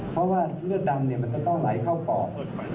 เพราะว่าเลือดดำมันจะต้องไหลเข้าปอก